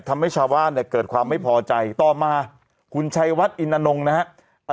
ทำให้ชาวบ้านเนี่ยเกิดความไม่พอใจต่อมาคุณชัยวัดอินอนงนะฮะ